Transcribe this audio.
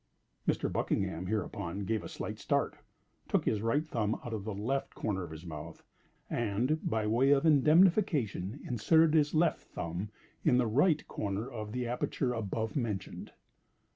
Mr. Buckingham, hereupon, gave a slight start, took his right thumb out of the left corner of his mouth, and, by way of indemnification inserted his left thumb in the right corner of the aperture above mentioned.